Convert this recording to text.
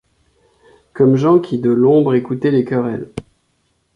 Comme Jean qui de l’ombre écoutait les querelles ;